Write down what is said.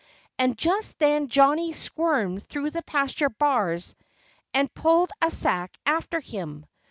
And just then Johnnie squirmed through the pasture bars and pulled a sack after him.